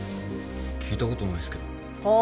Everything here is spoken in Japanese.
聞いたことないですけど。は？